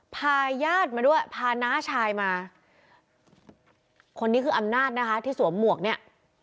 พาญาติมาด้วยพาน้าชายมาคนนี้คืออำนาจนะคะที่สวมหมวกเนี่ย